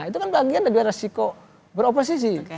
itu kan bagian dari resiko beroposisi